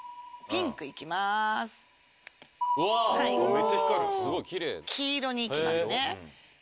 めっちゃ光る黄色にいきますね